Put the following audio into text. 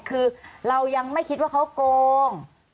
คือเรายังไม่คิดว่าเขาโกง